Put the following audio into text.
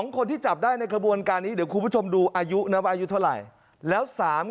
คนที่จับได้ในขบวนการนี้เดี๋ยวคุณผู้ชมดูอายุนะว่าอายุเท่าไหร่แล้ว